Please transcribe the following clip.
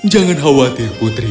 jangan khawatir putri